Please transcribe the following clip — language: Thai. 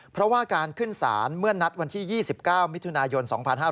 เพราะว่าการขึ้นศาลเมื่อนัดวันที่๒๙มิถุนายน๒๕๕๙